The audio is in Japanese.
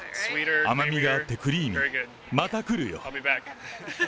甘みがあってクリーミー、また来るよ。